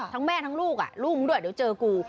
ทั้งแม่ทั้งลูกลูกมึงอยู่เดี๋ยวเจอกุ